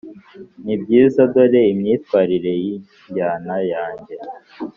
nibyiza, dore imyitwarire yinjyana yanjye: